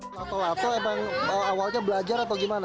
loto loto emang awalnya belajar atau gimana